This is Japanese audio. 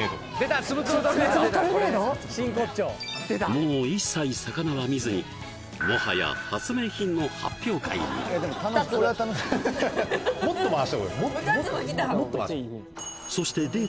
もう一切魚は見ずにもはや発明品の発表会に２粒もっと回した方がいい２粒きたそしてデート